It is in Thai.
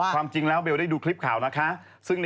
ความจริงแล้วเบลได้ดูคลิปข่าวนะคะ